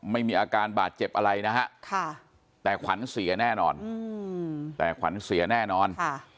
ไม่มีอาการบาดเจ็บอะไรแต่ขวัญเสียแน่นอน